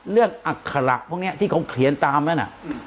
เรื่องอักขระพวกนี้ที่เขาเขียนตามนั้น